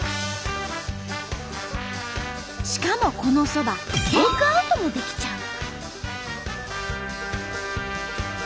しかもこのそばテイクアウトもできちゃう！